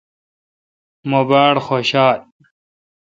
مہ باڑخوشال۔